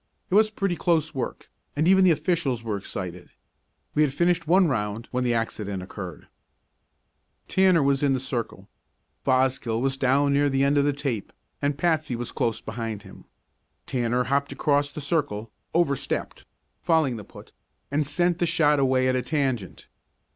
It was pretty close work, and even the officials were excited. We had finished one round when the accident occurred. Tanner was in the circle. Fosgill was down near the end of the tape and Patsy was close behind him. Tanner hopped across the circle, overstepped fouling the put and sent the shot away at a tangent.